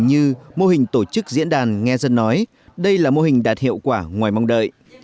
như mô hình tổ chức diễn đàn nghe dân nói đây là mô hình đạt hiệu quả ngoài mong đợi